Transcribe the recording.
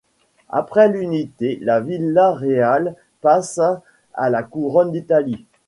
Après l'Unité la Villa reale passa à la Couronne d'Italie.